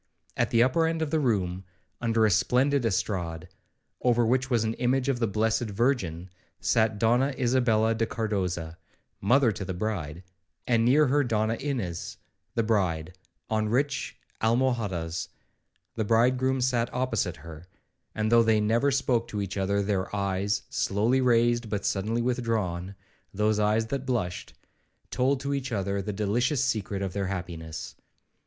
At the upper end of the room, under a splendid estrade, over which was an image of the blessed Virgin, sat Donna Isabella de Cardoza, mother to the bride, and near her Donna Ines, the bride, on rich almohadas; the bridegroom sat opposite her; and though they never spoke to each other, their eyes, slowly raised, but suddenly withdrawn, (those eyes that blushed), told to each other the delicious secret of their happiness.